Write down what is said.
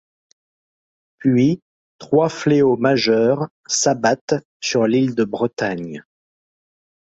Puis trois fléaux majeurs s'abattent sur l'île de Bretagne.